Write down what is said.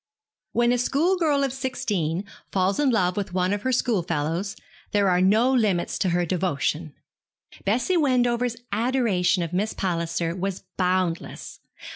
When a schoolgirl of sixteen falls in love with one of her schoolfellows there are no limits to her devotion. Bessie Wendover's adoration of Miss Palliser was boundless.